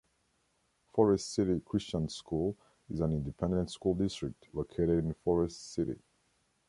Forest City Christian School is an independent school district located in Forest City.